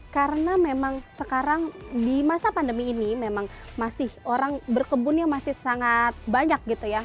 karena memang sekarang di masa pandemi ini memang masih orang berkebun yang masih sangat banyak gitu ya